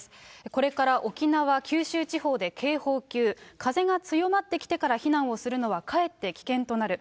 これから沖縄、九州地方で警報級、風が強まってきてから避難をするのはかえって危険となる。